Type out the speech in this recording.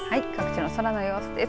各地の空の様子です。